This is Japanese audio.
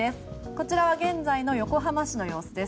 こちらは現在の横浜市の様子です。